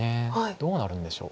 どうなるんでしょう。